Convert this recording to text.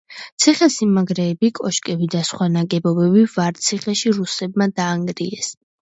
ციხე-სიმაგრეები, კოშკები და სხვა ნაგებობები ვარციხეში რუსებმა დაანგრიეს.